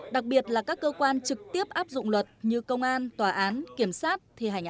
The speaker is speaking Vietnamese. đặc biệt là các cơ quan trực tiếp áp dụng luật như công an tòa án kiểm sát thi hành án